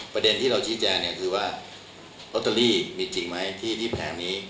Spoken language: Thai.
ประเด็นที่เราชี้แจงเนี่ยคือว่าลอตเตอรี่มีจริงไหมที่แผงนี้